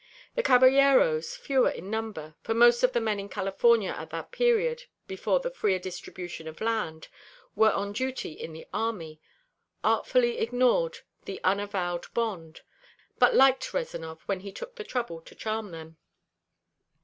The caballeros, fewer in number, for most of the men in California at that period before a freer distribution of land were on duty in the army, artfully ignored the unavowed bond, but liked Rezanov when he took the trouble to charm them.